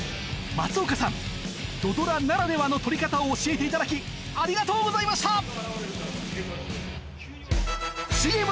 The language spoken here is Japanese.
松岡さん土ドラならではの撮り方を教えていただきありがとうございました！